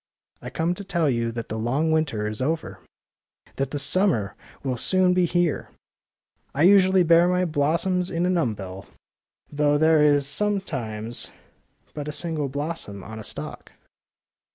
^^ I come to tell you that the long winter is over; that the summer will soon be here. I usually bear my blossoms in an umbel, 6 THE SNOWDROP though there is sometimes but a single blos som on a stalk.''